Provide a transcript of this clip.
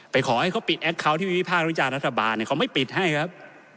ขอให้เขาปิดแอคเคาน์ที่วิภาควิจารณ์รัฐบาลเขาไม่ปิดให้ครับ